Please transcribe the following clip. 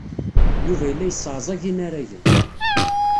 Yuba yella yesseɛẓag inaragen.